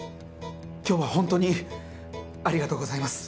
今日は本当にありがとうございます。